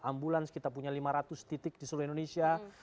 ambulans kita punya lima ratus titik di seluruh indonesia